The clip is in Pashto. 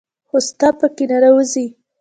خو تاسو په كي ننوځئ